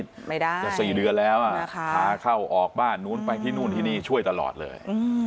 จะ๔เดือนแล้วหาเข้าออกบ้านไปที่นู่นที่นี่ช่วยตลอดเลย